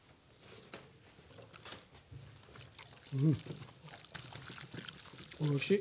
うんおいしい！